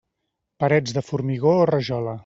Parets de formigó o rajola.